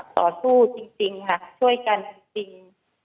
ต่อสู้จริงค่ะช่วยกันจริง